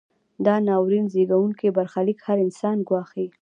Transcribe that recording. دا ناورین زیږوونکی برخلیک هر انسان ګواښي.